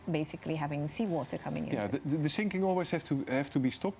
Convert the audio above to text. dari penyelamatan air laut besar